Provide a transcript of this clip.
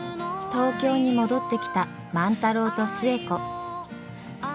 東京に戻ってきた万太郎と寿恵子。